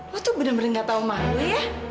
lo tuh bener bener gak tau mana ya